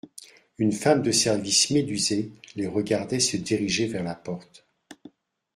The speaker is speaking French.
Une femme de service médusée les regardait se diriger vers la porte.